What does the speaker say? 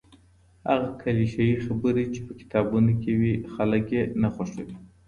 هغه کليشه يي خبرې چي په کتابونو کي وي خلګ يې نه خوښوي.